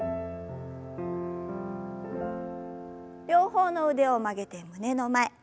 両方の腕を曲げて胸の前。